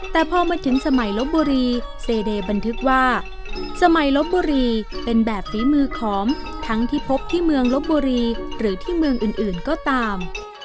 แต่พอมาถึงสมัยลบบุรีเซเดย์บันทึกว่าสมัยลบบุรีเป็นแบบฝีมือขอมทั้งที่พบที่เมืองลบบุรีหรือที่เมืองอื่นก็ตาม